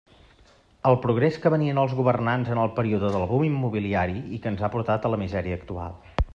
El progrés que venien els governants en el període del boom immobiliari i que ens ha portat a la misèria actual.